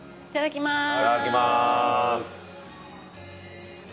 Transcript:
いただきます。